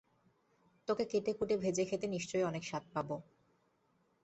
তোকে কেটেকুটে ভেজে খেতে নিশ্চয়ই অনেক স্বাদ পাবো!